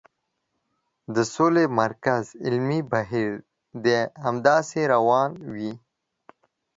د سولې مرکز علمي بهیر دې همداسې روان وي.